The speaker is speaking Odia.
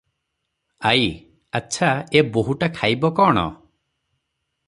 ଆଈ - ଆଚ୍ଛା ଏ ବୋହୂଟା ଖାଇବ କଣ?